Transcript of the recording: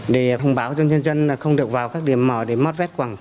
để thông báo cho dân dân không được vào các điểm mỏ để mót vét quẳng